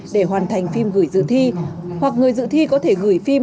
để hoàn thành phim gửi dự thi hoặc người dự thi có thể gửi phim